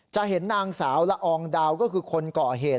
จะเห็นนางสาวละอองดาวก็คือคนก่อเหตุ